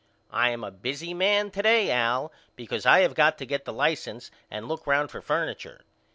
I am a busy man to day Al because I have got to get the license and look round for furniture.